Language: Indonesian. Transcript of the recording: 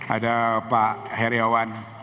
ada pak heriawan